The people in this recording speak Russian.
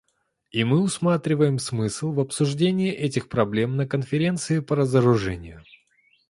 И мы усматриваем смысл в обсуждении этих проблем на Конференции по разоружению.